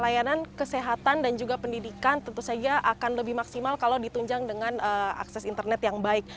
layanan kesehatan dan juga pendidikan tentu saja akan lebih maksimal kalau ditunjang dengan akses internet yang baik